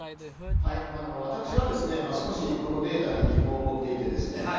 私は、少しこのデータに疑問を持っていて。